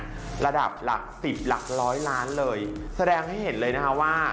เป็นระดับหลัก๑๐หลัก๑๐๐ล้านเลยแสดงให้เห็นเลยนะคะว่า